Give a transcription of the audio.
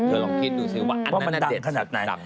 เธอลองคิดดูซิว่าอันนั้นน่ะเด็ดสุดต่ำมาก